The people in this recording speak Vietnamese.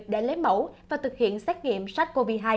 để lấy mẫu và thực hiện xét nghiệm sars cov hai